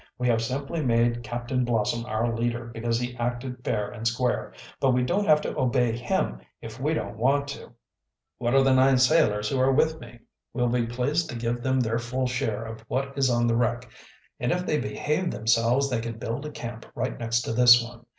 We have simply made Captain Blossom our leader because he acted fair and square. But we don't have to obey him if we don't want to." "What of the nine sailors who are with me?" "We'll be pleased to give them their full share of what is on the wreck, and if they behave themselves they can build a camp right next to this one.